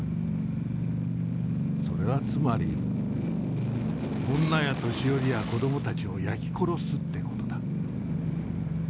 それはつまり女や年寄りや子どもたちを焼き殺すって事だ。